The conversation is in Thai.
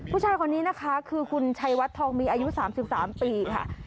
ผู้ชายคนนี้นะคะคือคุณชัยวัดทองมีอายุ๓๓ปีค่ะ